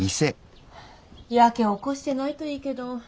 ヤケを起こしてないといいけど。